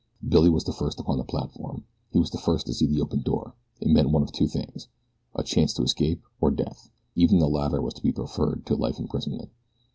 Billy was the first upon the platform. He was the first to see the open door. It meant one of two things a chance to escape, or, death. Even the latter was to be preferred to life imprisonment.